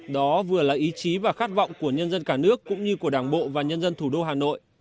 đó vừa là ý chí và khát vọng của nhân dân cả nước cũng như của đảng bộ và nhân dân thủ đô hà nội